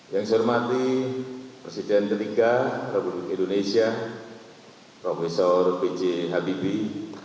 yang saya hormati presiden ketiga republik indonesia profesor b j habibie